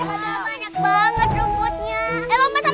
anak banget rumputnya